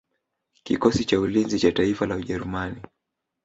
Kikosi cha ulinzi cha taifa la Ujerumani